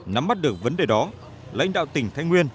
nắm bắt được vấn đề đó lãnh đạo tỉnh thái nguyên